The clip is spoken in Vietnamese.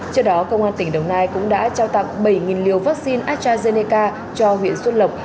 trước đó công an tỉnh đồng nai cũng đã trao tặng bảy liều vaccine astrazeneca cho huyện xuân lộc